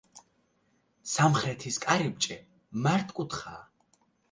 სამხრეთის კარიბჭე მართკუთხაა.